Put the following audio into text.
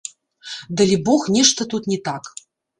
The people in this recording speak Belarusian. Далібог, нешта тут не так.